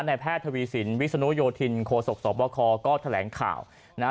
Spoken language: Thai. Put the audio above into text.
แพทย์ทวีสินวิศนุโยธินโคศกสวบคก็แถลงข่าวนะฮะ